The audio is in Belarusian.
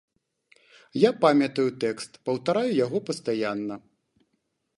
Я памятаю тэкст, паўтараю яго пастаянна.